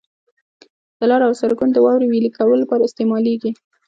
د لارو او سرکونو د واورې ویلي کولو لپاره استعمالیږي.